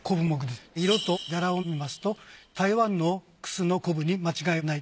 色と柄を見ますと台湾のクスの瘤に間違いない。